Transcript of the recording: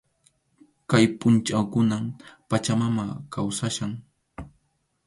Kay pʼunchawkunam Pachamama kawsachkan.